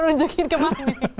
mau nunjukin ke mana nih